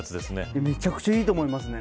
めちゃくちゃいいと思いますね。